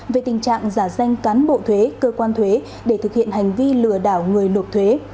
về tình trạng giả danh cán bộ thuế cơ quan thuế để thực hiện hành vi lừa đảo người nộp thuế